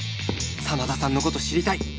真田さんの事知りたい！